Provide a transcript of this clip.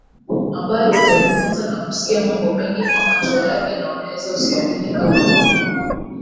ambayo utajifunza na kusikia mambo mengi kwa macho yako na unaweza usiamini kama mambo